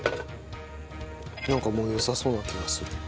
なんかもうよさそうな気がする。